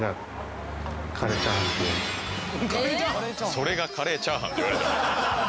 それがカレーチャーハンって言われても。